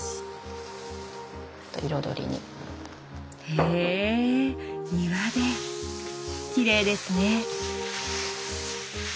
へ庭できれいですね。